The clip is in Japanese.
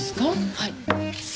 はい。